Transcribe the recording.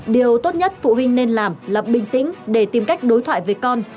điều tốt nhất phụ huynh nên làm là bình tĩnh để tìm cách đối thoại với con